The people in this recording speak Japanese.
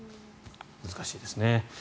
難しいですね。